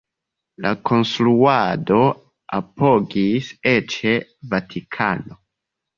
La konstruadon apogis eĉ Vatikano.